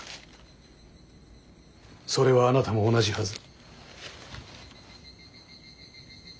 それはあなたも同じはず。